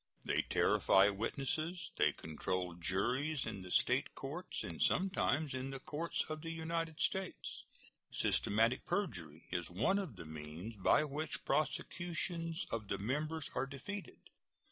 They terrify witnesses; they control juries in the State courts, and sometimes in the courts of the United States. Systematic perjury is one of the means by which prosecutions of the members are defeated.